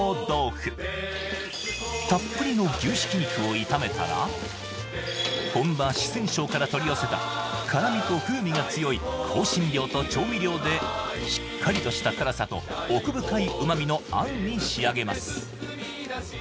たっぷりの牛ひき肉を炒めたら本場四川省から取り寄せた辛みと風味が強い香辛料と調味料でしっかりとした辛さと奥深い旨みのあんに仕上げます